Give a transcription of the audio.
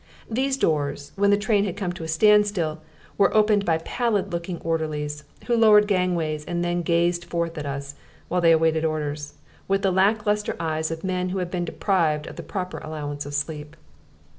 These doors, when the train had come to a standstill, were opened by pallid looking orderlies, who lowered gangways and then gazed forth at us, while they awaited orders, with the lack lustre eyes of men who had been deprived of the proper allowance of sleep.